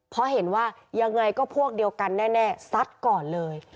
เพราะเห็นว่ายังไงก็พวกเดียวกันแน่ซัดก่อนเลย